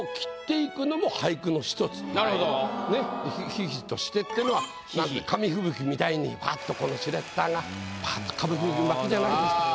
「霏々として」ってのは紙吹雪みたいにパッとこのシュレッダーがパッと紙吹雪舞うじゃないですか。